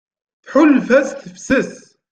Tḥulfa s tefses.